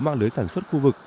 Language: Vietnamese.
mạng lưới sản xuất khu vực